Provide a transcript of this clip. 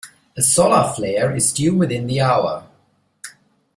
A solar flare is due within the hour.